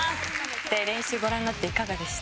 練習ご覧になっていかがでした？